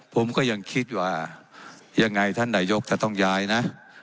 ผมก็ยังคิดว่ายังไงท่านนายกจะต้องย้ายนะ